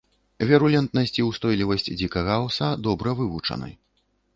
Вірулентнасць і ўстойлівасць дзікага аўса добра вывучаны.